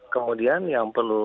kemudian yang perlu